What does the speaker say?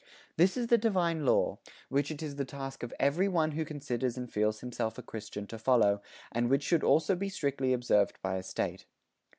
This is the divine law, which it is the task of every one who considers and feels himself a Christian to follow, and which should also be strictly observed by a State.